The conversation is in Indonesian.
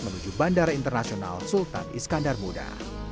menuju bandara internasional sultan iskandar muda